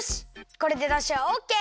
これでだしはオッケー！